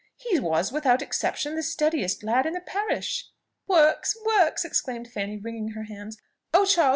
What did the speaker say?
He was, without exception, the steadiest lad in the parish." "Works! works!" exclaimed Fanny, wringing her hands. "Oh, Charles!